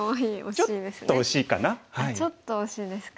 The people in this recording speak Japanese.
ちょっとおしいですか。